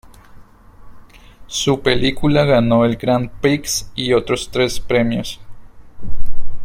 Su película ganó el Grand Prix y otros tres premios.